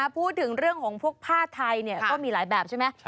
พูดถึงเรื่องของพวกผ้าไทยก็มีหลายแบบใช่ไหม